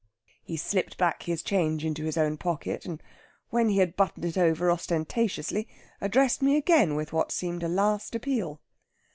He slipped back his change into his own pocket, and when he had buttoned it over ostentatiously addressed me again with what seemed a last appeal.